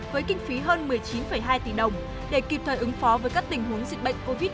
với kinh phí hơn một mươi chín hai tỷ đồng để kịp thời ứng phó với các tình huống dịch bệnh covid một mươi chín